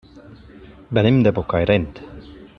Venim de Bocairent.